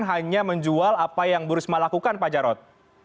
hanya menjual apa yang bu risma lakukan pak jarod